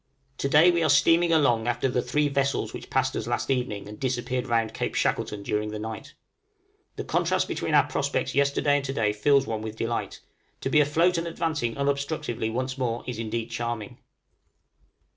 {AFLOAT, AND PUSH AHEAD.} To day we are steaming along after the three vessels which passed us last evening and disappeared round Cape Shackleton during the night. The contrast between our prospects yesterday and to day fills one with delight, to be afloat and advancing unobstructedly once more is indeed charming.